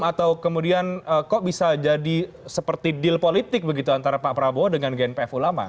atau kemudian kok bisa jadi seperti deal politik begitu antara pak prabowo dengan gnpf ulama